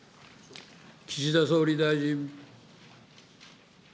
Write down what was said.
岸田総理大臣。